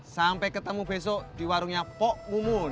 sampai ketemu besok di warungnya pok kumul